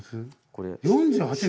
４８年？